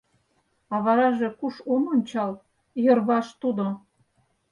А вараже куш ом ончал, йырваш тудо.